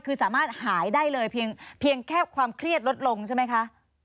คือสามารถหายได้เลยเพียงแค่ความเครียดลดลงใช่ไหมคะ